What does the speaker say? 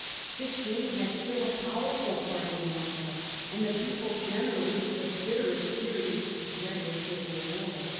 The King had still a powerful party in Languedoc, and the people generally, with a bitter experience, dreaded civil war.